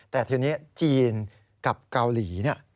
แต่ทีนี้จีนกับเกาหลี